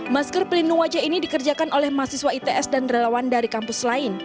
masker pelindung wajah ini dikerjakan oleh mahasiswa its dan relawan dari kampus lain